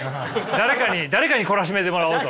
誰かに誰かに懲らしめてもらおうと。